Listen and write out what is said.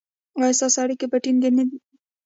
ایا ستاسو اړیکې به ټینګې نه وي؟